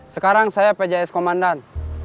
sekarang saya pjs komandan